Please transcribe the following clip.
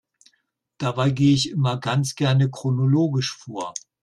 Dabei gehe ich immer ganz gerne chronologisch vor.